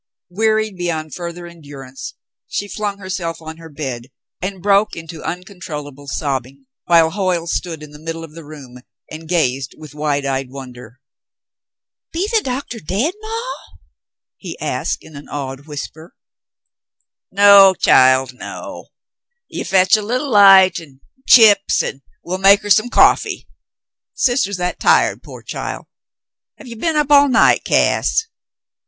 Wearied beyond further endurance, she flung herself on her bed and broke into uncontrollable sobbing, while Hoyle stood in the middle of the room and gazed with wide eyed wonder. "Be the doctah dade, maw?" he asked, in an awed whisper. David Thryng Awakes 179 ((' 'No, child, no. You fetch a leetle light ud an* chips, an* we'll make her some coffee. Sister's that tired, pore child ! Have ye been up all night, Cass